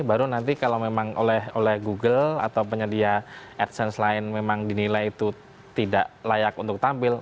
baru nanti kalau memang oleh google atau penyedia adsense lain memang dinilai itu tidak layak untuk tampil